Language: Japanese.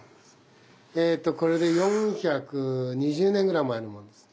えっとこれで４２０年ぐらい前のものです。